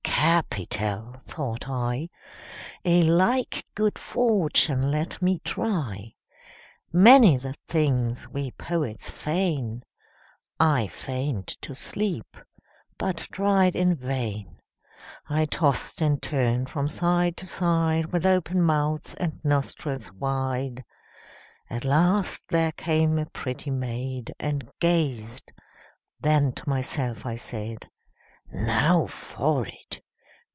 'Capital!' thought I. 'A like good fortune let me try.' Many the things we poets feign. I feign'd to sleep, but tried in vain. I tost and turn'd from side to side, With open mouth and nostrils wide. At last there came a pretty maid, And gazed; then to myself I said, 'Now for it!'